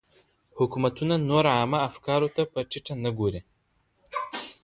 حکومتونه نور عامه افکارو ته په ټيټه نه ګوري.